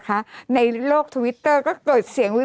มันเหมือนอ่ะ